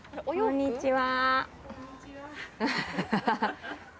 こんにちは。